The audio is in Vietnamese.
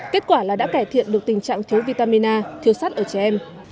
kết quả là đã cải thiện được tình trạng thiếu vitamina thiếu sát ở trẻ em